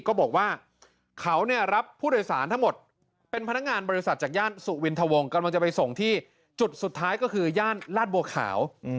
ก็บอกว่าเขาเนี่ยรับผู้โดยสารทั้งหมดเป็นพนักงานบริษัทจากย่านสุวินทวงกำลังจะไปส่งที่จุดสุดท้ายก็คือย่านลาดบัวขาว